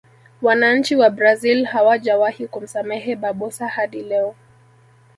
wananchi wa brazil hawajawahi kumsamehe barbosa hadi leo